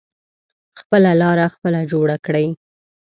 خپله لاره خپله جوړه کړی.